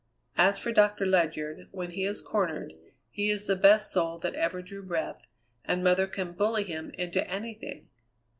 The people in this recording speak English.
As for Doctor Ledyard, when he is cornered, he is the best soul that ever drew breath, and mother can bully him into anything."